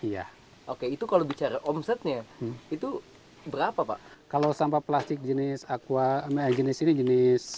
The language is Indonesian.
iya oke itu kalau bicara omsetnya itu berapa pak kalau sampah plastik jenis aqua jenis ini jenis